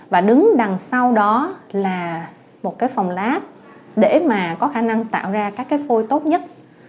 và đứng đằng sau đó là một cái phòng lab để mà có khả năng tạo ra các cái phôi tốt nhất